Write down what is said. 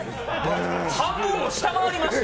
半分を下回りまして。